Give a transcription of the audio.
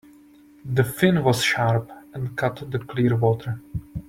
The fin was sharp and cut the clear water.